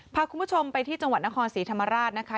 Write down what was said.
พาคุณผู้ชมไปที่จังหวัดนครศรีธรรมราชนะคะ